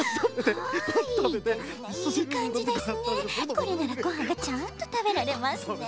これならごはんがちゃんとたべられますね。